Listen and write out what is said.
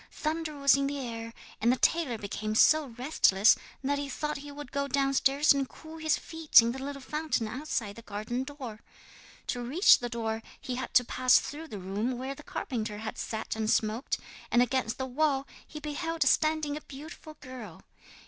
Thunder was in the air, and the tailor became so restless that he thought he would go downstairs and cool his feet in the little fountain outside the garden door. To reach the door he had to pass through the room where the carpenter had sat and smoked, and against the wall he beheld standing a beautiful girl.